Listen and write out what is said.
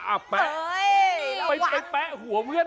อ่ะแป๊ะไปแป๊ะหัวเพื่อน